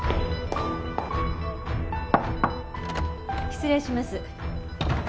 失礼します。